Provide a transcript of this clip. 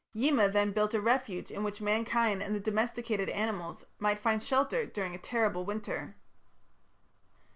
Yima then built a refuge in which mankind and the domesticated animals might find shelter during a terrible winter.